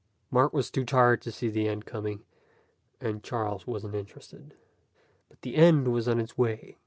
Mark was too tired to see the end coming, and Charles wasn't interested. But the end was on its way.